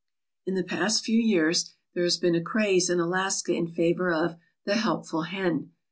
In the past few years there has been a craze in Alaska in favour of the "helpful hen.